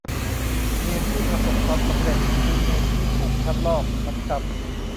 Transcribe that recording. มีมที่ประสบความสำเร็จ คือมีมที่ถูกคัดลอก ทำซ้ำ